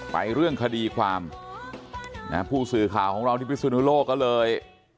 เรื่องคดีความนะฮะผู้สื่อข่าวของเราที่พิสุนุโลกก็เลย